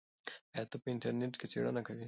آیا ته په انټرنیټ کې څېړنه کوې؟